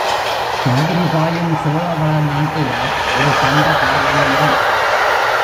காவிரி பாயும் சோழவளநாட்டிலா ஒரு தண்டகாரண்யம்?